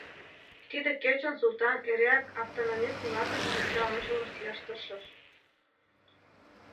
Тиде кечын Султан эреак автономист-влакын шинча ончылнышт лияш тыршыш.